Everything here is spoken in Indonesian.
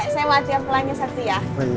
saya mau ati ampelanya satu ya